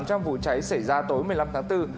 trong vụ cháy xảy ra tối một mươi năm tháng bốn